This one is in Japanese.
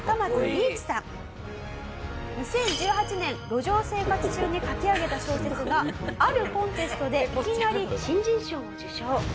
２０１８年路上生活中に書き上げた小説があるコンテストでいきなり新人賞を受賞。